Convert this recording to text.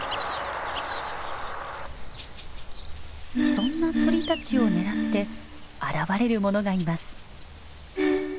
そんな鳥たちを狙って現れる者がいます。